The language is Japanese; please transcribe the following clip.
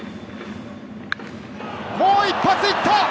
もう一発いった！